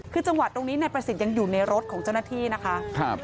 คือจังหวัดตรงนี้นายประสิทธิ์ยังอยู่ในรถของเจ้าหน้าที่นะคะ